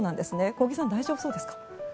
小木さん、大丈夫ですか？